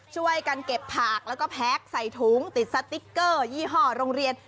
ช่วยกันเก็บผักแล้วก็แพ็คใส่ถุงติดสติ๊กเกอร์ยี่ห้อโรงเรียน